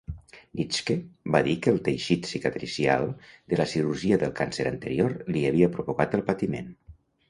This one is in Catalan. Nitschke va dir que el teixit cicatricial de la cirurgia del càncer anterior li havia provocat el patiment.